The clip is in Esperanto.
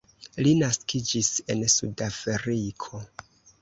Li naskiĝis en Sudafriko.